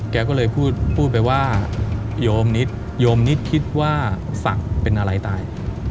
แกก็เลยพูดไปว่าโยมนิดโยมนิดคิดว่าศักดิ์เป็นอะไรตาย